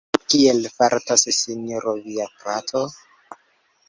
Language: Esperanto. Kiel fartas Sinjoro via frato?